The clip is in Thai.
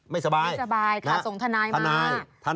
ไม่สบายส่งทนายมา